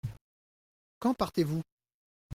Quand partez-vous ?